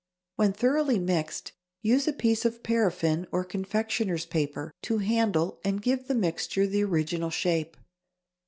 When thoroughly mixed, use a piece of paraffine or confectioner's paper to handle and give the mixture the original shape.